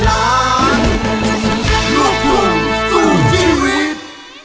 รับรองเหมือนเดิม